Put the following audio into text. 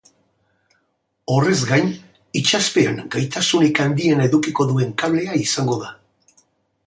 Horrez gain, itsaspean gaitasunik handiena edukiko duen kablea izango da.